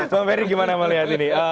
pak meri gimana melihat ini